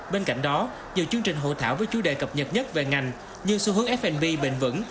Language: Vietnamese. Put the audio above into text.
bên cạnh đó nhiều chương trình hội thảo với chủ đề cập nhật nhất về ngành như xu hướng f b bền vững